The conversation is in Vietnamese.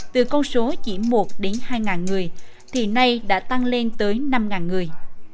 từ con số chỉ một hai ngàn người thì nay đã tăng lên tới năm ngàn người